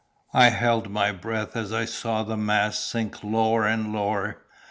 I held my breath as I saw the masts sink lower and lower.